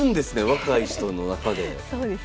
若い人の中で。